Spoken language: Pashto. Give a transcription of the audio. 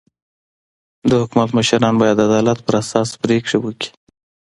د حکومت مشران باید د عدالت پر اساس پرېکړي وکي.